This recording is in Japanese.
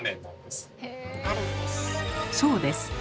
そうです